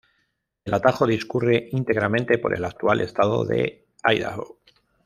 El atajo discurre íntegramente por el actual estado de Idaho.